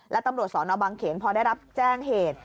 และตำรวจสนบางเขนพอได้รับแจ้งเหตุ